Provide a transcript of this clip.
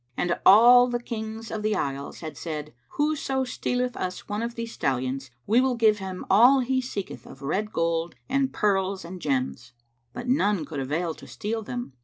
And all the Kings of the isles had said, "Whoso stealeth us one of these stallions, we will give him all he seeketh of red gold and pearls and gems;" but none could avail to steal them.